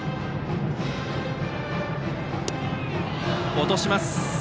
落とします。